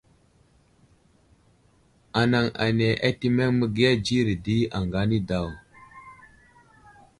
Anaŋ ane atəmeŋ məgiya dzire di aŋga anidaw.